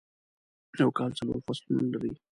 یوکال څلورفصلونه لري ..